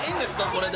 これで。